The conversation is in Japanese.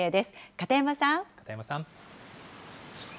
片山さん。